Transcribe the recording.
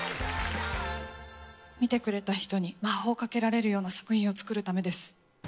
見てくれた人に魔法をかけられるような作品を作るためです。